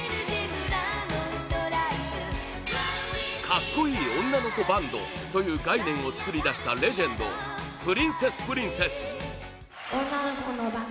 格好いい女の子バンドという概念を作り出したレジェンドプリンセスプリンセス